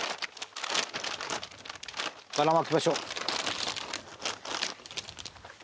ばらまきましょう。